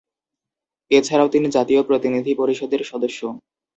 এছাড়াও তিনি জাতীয় প্রতিনিধি পরিষদের সদস্য।